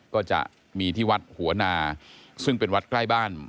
ก็จะมีที่วัดหัวนาซึ่งเป็นวัดใกล้บ้าน